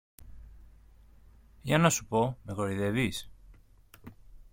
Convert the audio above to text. Για να σου πω, με κοροϊδεύεις;